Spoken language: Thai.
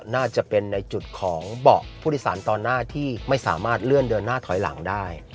น่าจะเป็นในจุดของเบาะผู้โดยสารตอนหน้าที่ไม่สามารถเลื่อนเดินหน้าถอยหลังได้